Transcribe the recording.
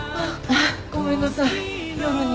ごめんなさい夜に。